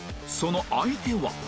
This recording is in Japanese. その相手は